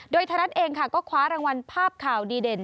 โดยธรรภ์เองก็คว้ารางวัลภาพข่าวดีเด่น